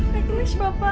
thank you miss papa